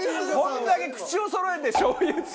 こんだけ口をそろえてしょうゆって。